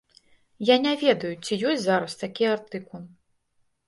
Я не ведаю, ці ёсць зараз такі артыкул.